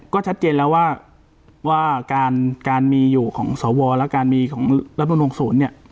ก็ชัดเจนแล้วว่าการมีอยู่ของสวและการมีของรัฐมนุนศูนย์เนี่ย